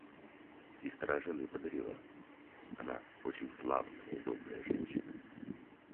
Сестра жены подарила — она очень славная и добрая женщина.